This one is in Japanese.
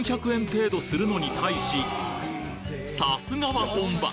程度するのに対しさすがは本場！